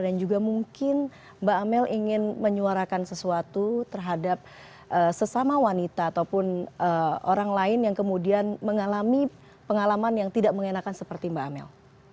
dan juga mungkin mbak amel ingin menyuarakan sesuatu terhadap sesama wanita ataupun orang lain yang kemudian mengalami pengalaman yang tidak mengenakan seperti mbak amel